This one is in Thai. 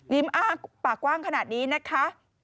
อ้าปากกว้างขนาดนี้นะคะ